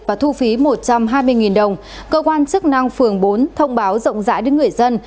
và thu phí một trăm hai mươi đồng cơ quan chức năng phường bốn thông báo rộng rãi đến người dân